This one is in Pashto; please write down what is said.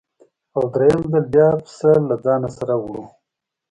او درېیم ځل بیا پسه له ځانه سره وړو.